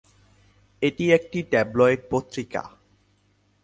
এটি একটি ট্যাবলয়েড পত্রিকা।